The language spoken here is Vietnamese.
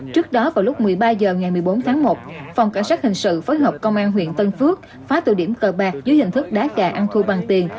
trước đó vào lúc một mươi ba h ngày một mươi bốn tháng một phòng cảnh sát hình sự phối hợp công an huyện tân phước phá tụ điểm cờ bạc dưới hình thức đá gà ăn thua bằng tiền